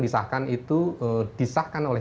disahkan itu disahkan oleh